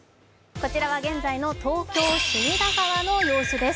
こちらは現在の東京・隅田川の様子です。